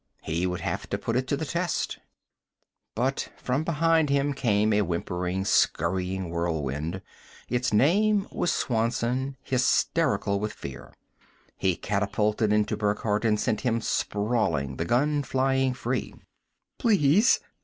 He would have put it to the test But from behind him came a whimpering, scurrying whirlwind; its name was Swanson, hysterical with fear. He catapulted into Burckhardt and sent him sprawling, the gun flying free. "Please!"